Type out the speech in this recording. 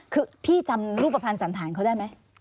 คือพี่จำรูปภัณฑ์สันฐานเขาได้ไหม